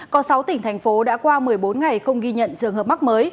có sáu tỉnh thành phố đã qua một mươi bốn ngày không ghi nhận trường hợp mắc mới